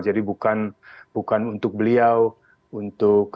jadi bukan untuk beliau untuk